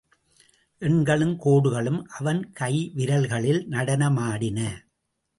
எண்களும் கோடுகளும் அவன் கைவிரல்களில் நடனமாடின.